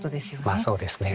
まあそうですね